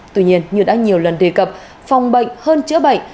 tuy nhiên như đã nhiều lần đề cập phòng bệnh hơn chữa bệnh